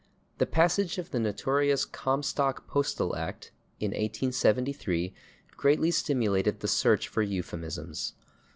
The passage of the notorious Comstock Postal Act, in 1873, greatly stimulated the search for euphemisms.